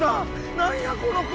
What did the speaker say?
何やこの靴。